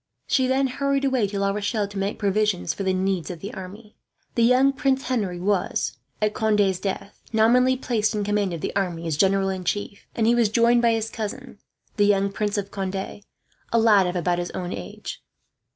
She then hurried away to La Rochelle, to make provision for the needs of the army. The young Prince Henry was, at Conde's death, nominally placed in command of the army as general in chief; and he was joined by his cousin, the young Prince of Conde, a lad of about his own age.